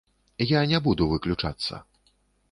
Я не буду выключацца.